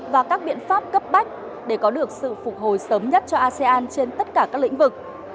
và các biện pháp cấp bách để có được sự phục hồi sớm nhất cho asean trên tất cả các lĩnh vực